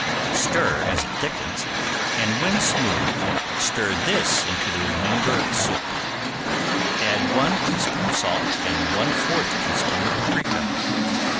Stir as it thickens, and when smooth stir this into the remainder of the soup. Add one teaspoon salt and one fourth teaspoon paprika.